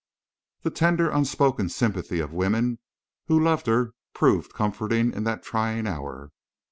The tender unspoken sympathy of women who loved her proved comforting in that trying hour.